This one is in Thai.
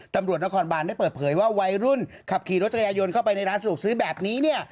ตำรวจนครบานได้เปิดเผยว่าวัยรุ่นขับขี่รถจักรยายนเข้าไปในร้านสะดวกซื้อแบบนี้เนี่ย